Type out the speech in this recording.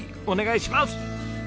お願いします。